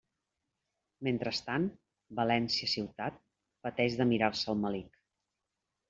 Mentrestant, València ciutat pateix de «mirar-se el melic».